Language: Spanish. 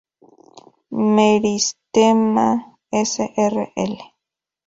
Meristema Srl.